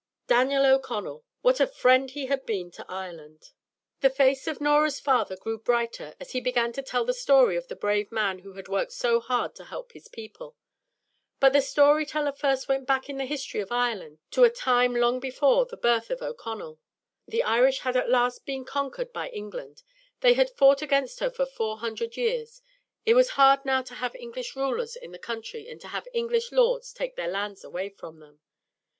Daniel O'Connell! What a friend he had been to Ireland! The face of Norah's father grew brighter as he began to tell the story of the brave man who had worked so hard to help his people. But the story teller first went back in the history of Ireland to a time long before the birth of O'Connell. The Irish had at last been conquered by England. They had fought against her for four hundred years. It was hard now to have English rulers in the country and to have English lords take their lands away from them.